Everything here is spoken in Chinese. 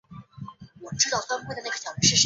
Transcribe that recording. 改翰林院庶吉士。